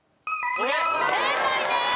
正解です！